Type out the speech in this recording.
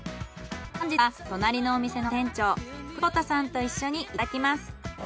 本日は隣のお店の店長久保田さんと一緒にいただきます。